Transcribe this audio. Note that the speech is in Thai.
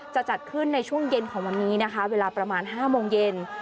จะจัดขึ้นในช่วงเย็นของวันนี้นะคะเวลาประมาณ๕โมงเย็น